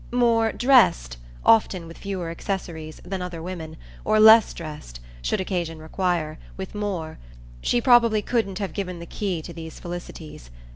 More "dressed," often, with fewer accessories, than other women, or less dressed, should occasion require, with more, she probably couldn't have given the key to these felicities.